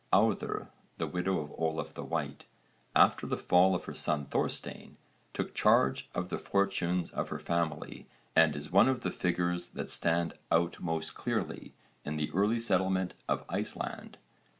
Auðr, the widow of Olaf the White, after the fall of her son Thorstein, took charge of the fortunes of her family and is one of the figures that stand out most clearly in the early settlement of Iceland.